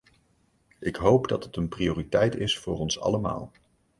Ik hoop dat het een prioriteit is voor ons allemaal.